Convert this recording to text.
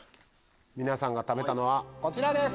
皆さんが食べたのはこちらです！